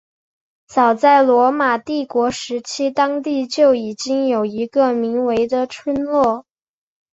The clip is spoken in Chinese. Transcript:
早在罗马帝国时期当地就已经有一个名为的村落。